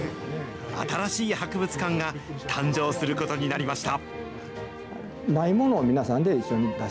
新しい博物館が誕生することになりました。